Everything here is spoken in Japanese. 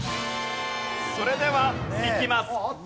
それではいきます。